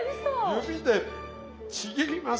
指でちぎります。